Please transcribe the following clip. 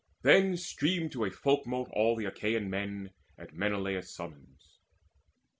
Then Streamed to a folkmote all the Achaean men At Menelaus' summons.